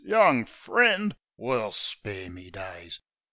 .. Young friend 1 Well, spare me days!